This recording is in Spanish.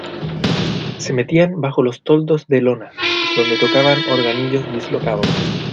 se metían bajo los toldos de lona, donde tocaban organillos dislocados.